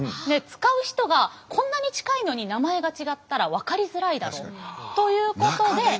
で使う人がこんなに近いのに名前が違ったら分かりづらいだろうということで。